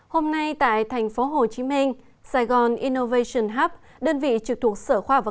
hôm nay tại thành phố hồ chí minh saigon innovation hub đơn vị trực thuộc sở khoa và